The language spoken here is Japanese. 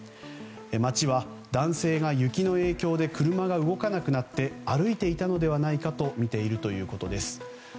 町は男性が雪の影響で車が動かなくなって歩いていたのではないかとみているということです。